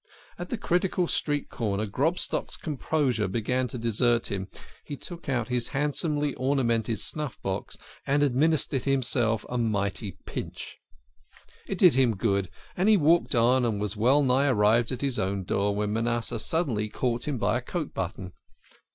At the critical street corner Grobstock's composure began to desert him : he took out his handsomely ornamented "ADMINISTERED A MIGHTY PINCH." snuff box and administered to himself a mighty pinch. It did him good, and he walked on and was well nigh arrived at his own door when Manasseh suddenly caught him by a coat button.